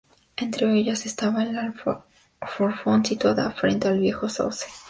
Entre ellas estaba el alforfón, situada frente al viejo sauce.